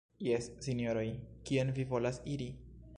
Jes, Sinjoroj, kien vi volas iri?